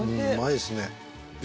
うまいですね。